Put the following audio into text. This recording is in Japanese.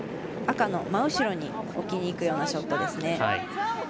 赤の真後ろに置きにいくようなショットですね。